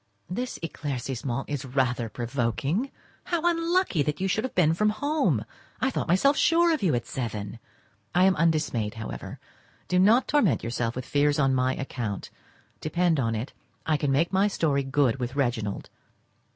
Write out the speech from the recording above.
This éclaircissement is rather provoking. How unlucky that you should have been from home! I thought myself sure of you at seven! I am undismayed however. Do not torment yourself with fears on my account; depend on it, I can make my story good with Reginald.